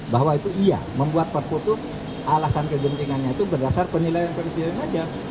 bahwa itu iya membuat perpu itu alasan kegentingannya itu berdasar penilaian presiden saja